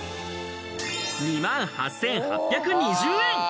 ２万８８２０円。